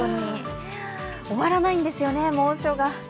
終わらないんですよね、猛暑が。